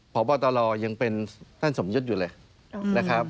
พบตรยังเป็นท่านสมยุทธ์อยู่เลยนะครับ